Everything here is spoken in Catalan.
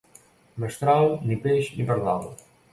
Mestral, ni peix ni pardal.